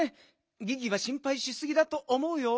ギギはしんぱいしすぎだとおもうよ。